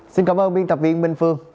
xin cảm ơn biên tập viên minh phương